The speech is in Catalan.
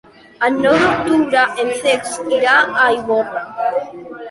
El nou d'octubre en Cesc irà a Ivorra.